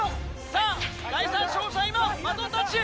さぁ第３走者今バトンタッチ！